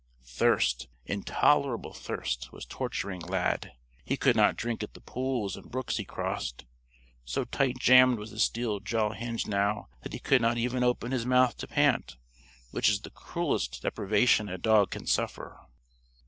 Thirst intolerable thirst was torturing Lad. He could not drink at the pools and brooks he crossed. So tight jammed was the steel jaw hinge now that he could not even open his mouth to pant, which is the cruelest deprivation a dog can suffer.